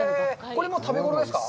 これも食べごろですか？